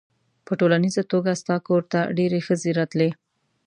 په ټولیزه توګه ستا کور ته ډېرې ښځې راتلې.